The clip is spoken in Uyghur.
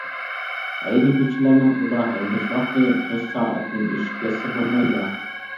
ھەيدىگۈچىلەرنىڭ ئۇدا ھەيدەش ۋاقتى تۆت سائەتتىن ئېشىپ كەتسە بولمايدۇ.